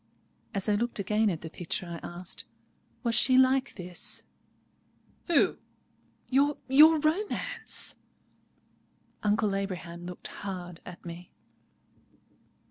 As I looked again at the picture, I asked, "Was she like this?" "Who?" "Your—your romance!" Uncle Abraham looked hard at me.